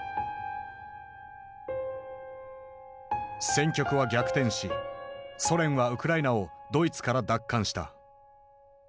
戦局は逆転しソ連はウクライナをドイツから奪還した。